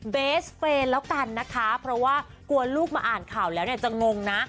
เบสเฟนแล้วกันนะคะเพราะว่ากลัวลูกมาอ่านข่าวแล้วเนี่ยจะงงนะ